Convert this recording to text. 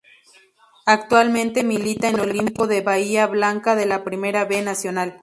Actualmente milita en Olimpo de Bahía Blanca de la Primera B Nacional.